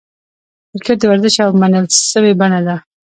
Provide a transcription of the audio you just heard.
کرکټ د ورزش یوه منل سوې بڼه ده.